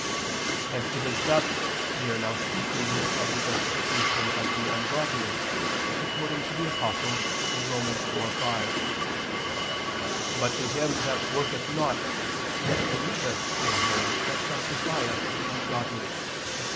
And it is thus we are now speaking of the justification of the ungodly, according to the Apostle (Rom. 4:5): "But to him that worketh not, yet believeth in Him that justifieth the ungodly," etc.